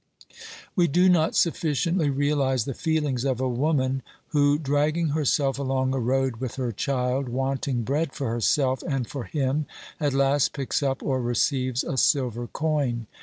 We do not sufficiently realise the feelings of a woman who, dragging herself along a road with her child, wanting bread for herself and for him, at last picks up or receives a silver coin.